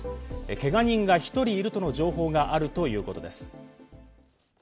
けが人が１人いるとの情報があるということです。